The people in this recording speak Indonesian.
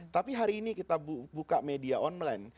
tapi hari ini kita buka media online